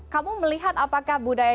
kamu melihat apakah budaya